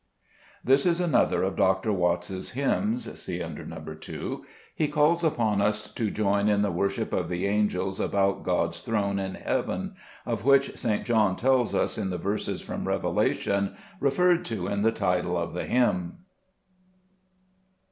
This is another of Dr. Watts's hymns (see under No. 2). He calls upon us to join in the worship of the angels about God's throne in heaven, of which St. John tells us in the verses from Revelation referred to in the title of the hymn.